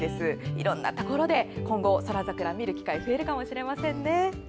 いろんなところで宇宙桜見る機会が増えるかもしれませんね。